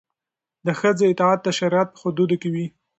د ښځې اطاعت د شریعت په حدودو کې وي.